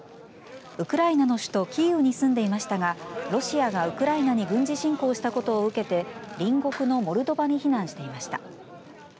ウクライナの首都キーウに住んでいましたがロシアがウクライナに軍事侵攻したことを受けて隣国のモルドバに避難していました。